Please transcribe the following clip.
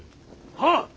はっ！